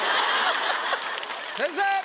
先生！